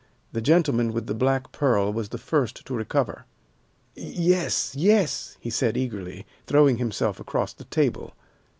The gentleman with the black pearl was the first to recover. "Yes, yes," he said eagerly, throwing himself across the table.